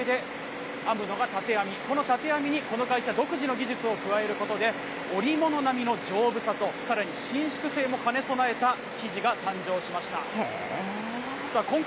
この縦の糸だけで編むのがたて編、このたて編に、この会社独自の技術を加えることで、織物並みの丈夫さとさらに伸縮性も兼ね備えた生地が誕生しました。